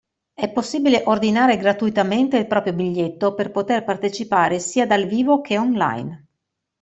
È possibile ordinare gratuitamente il proprio biglietto per poter partecipare sia dal vivo che online.